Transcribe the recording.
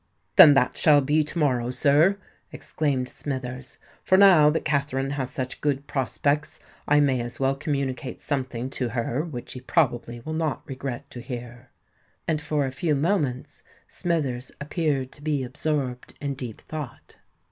"Then that shall be to morrow, sir," exclaimed Smithers; "for now that Katherine has such good prospects, I may as well communicate something to her which she probably will not regret to hear." And for a few moments Smithers appeared to be absorbed in deep thought.